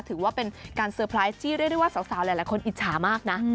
ถือว่าเป็นการเซอร์ไพรส์ที่เรียกได้ว่าสาวหลายคนอิจฉามากนะ